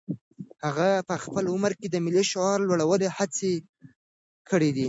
هغه په خپل عمر کې د ملي شعور لوړولو هڅې کړي.